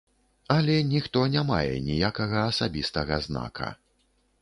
Але ніхто не мае ніякага асабістага знака.